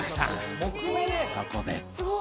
そこで